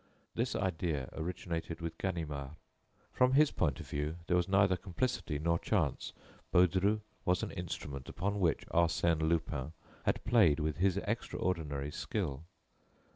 This idea originated with Ganimard. From his point of view there was neither complicity nor chance. Baudru was an instrument upon which Arsène Lupin had played with his extraordinary skill.